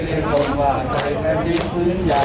เรียนคงว่าใจกับดินผึ้นใหญ่พี่ชายภาคเขา